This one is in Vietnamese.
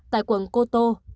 tại quận koto